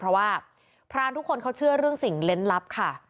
เพราะว่าพรานทุกคนเขาเชื่อเรื่องสิ่งเล่นลับค่ะ